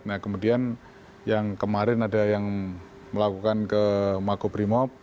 nah kemudian yang kemarin ada yang melakukan ke makobrimob